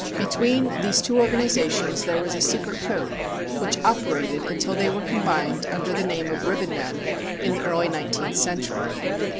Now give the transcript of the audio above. Between these two organizations there was a secret code, which operated until they were combined, under the name of Ribbonmen, in the early nineteenth century.